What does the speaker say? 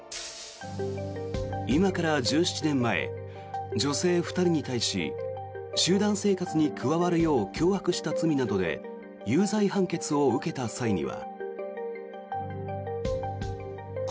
今から１７年前、女性２人に対し集団生活に加わるよう脅迫した罪などで有罪判決を受けた際には。